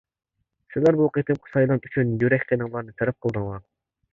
سىلەر بۇ قېتىمقى سايلام ئۈچۈن يۈرەك قېنىڭلارنى سەرپ قىلدىڭلار.